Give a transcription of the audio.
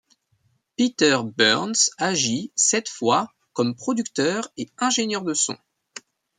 Peter Burns agit, cette fois, comme producteur et ingénieur de son.